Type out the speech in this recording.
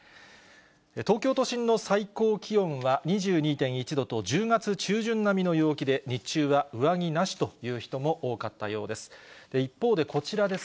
東京都心の最高気温は２２．１度と、１０月中旬並みの陽気で、日中は上着なしという人も多かったようです。